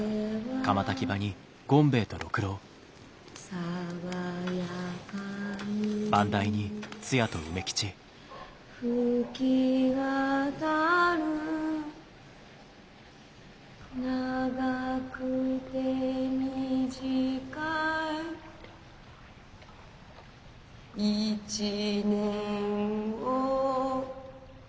「爽やかに吹き渡る」「長くて短い」「１年を」